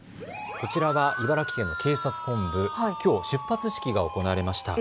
こちらは茨城県警察本部、きょう出発式が行われました。